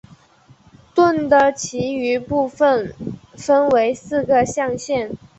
盾的其余部分分为四个象限。